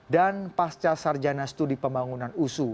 dan pascasar janastu di pembangunan uu